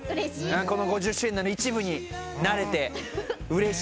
この５０周年の一部になれてうれしい。